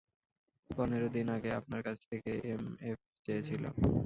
পনের দিন আগে আপনার কাছ থেকে এমএফ চেয়েছিলাম।